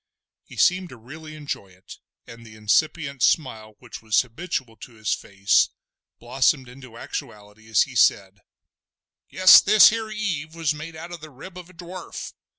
He seemed to really enjoy it, and the incipient smile which was habitual to his face blossomed into actuality as he said: "Guess this here Eve was made out of the rib of a dwarf!